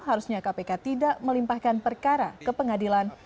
harusnya kpk tidak melimpahkan perkara ke pengadilan